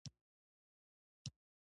ګاز د افغانستان د اقتصاد برخه ده.